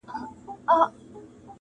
وخت را ښیي مطلبي یاران پخپله،